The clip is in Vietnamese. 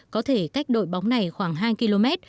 có thể cách đội bóng này khoảng hai km